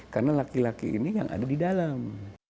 karena laki laki ini yang ada di dalam